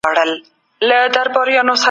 آيا د کتاب او کلي تر منځ تفاوت سته؟